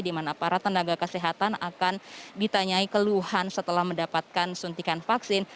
di mana para tenaga kesehatan akan ditanyai keluhan setelah mendapatkan suntikan vaksin